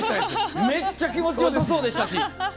めっちゃ気持ちよさそうでしたし。